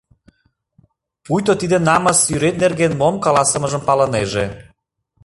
Пуйто тиде намыс сӱрет нерген мом каласымыжым палынеже.